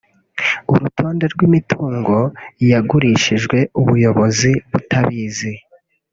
urutonde rw’imitungoy agurishijwe ubuyobozi butabizi